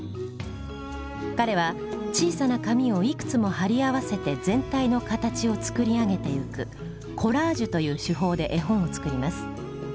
彼は小さな紙をいくつも貼り合わせて全体の形を作り上げていく「コラージュ」という手法で絵本を作ります。